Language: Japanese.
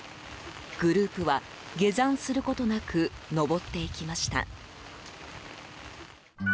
グループは下山することなく登っていきました。